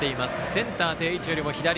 センター定位置よりも左。